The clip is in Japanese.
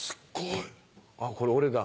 これ俺だ。